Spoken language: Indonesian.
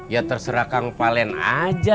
ya terserah kang valen aja